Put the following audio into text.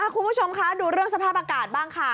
คุณผู้ชมคะดูเรื่องสภาพอากาศบ้างค่ะ